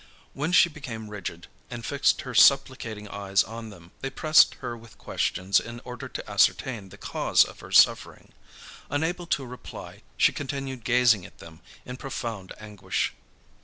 When she became rigid, and fixed her supplicating eyes on them, they pressed her with questions in order to ascertain the cause of her suffering. Unable to reply, she continued gazing at them in profound anguish.